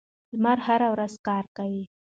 لمر هره ورځ کار کوي.